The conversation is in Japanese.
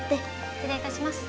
失礼いたします。